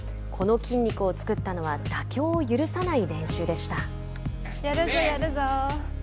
この筋肉を作ったのは妥協を許さない練習でした。